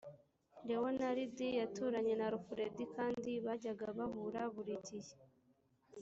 leonard yaturanye na alfred kandi bajyaga bahura buri gihe